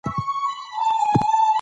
راځئ چې په پوره مینه دا لاره ووهو.